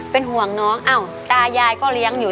เป็นห่วงน้องอ้าวตายายก็เลี้ยงอยู่